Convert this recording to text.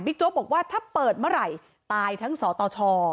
โจ๊กบอกว่าถ้าเปิดเมื่อไหร่ตายทั้งสตช